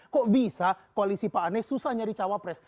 kok bisa koalisi pak anies susah nyari cawapres